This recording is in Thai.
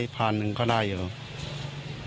พอนึงก็ได้อยู่